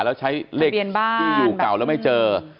แล้วใช้เลขที่อยู่เก่าแล้วไม่เจอ